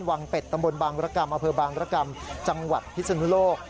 แมร์กรภาพบาร์ประกรรมจังหวัดพิศนุโลก